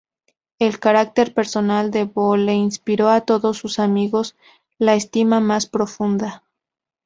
El carácter personal de Boole inspiró a todos sus amigos la estima más profunda.